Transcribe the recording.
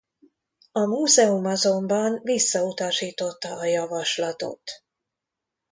A múzeum azonban visszautasította a javaslatot.